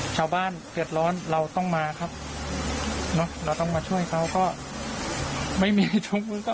ชาวบ้านเดือดร้อนเราต้องมาครับเนอะเราต้องมาช่วยเขาก็ไม่มีทุกข์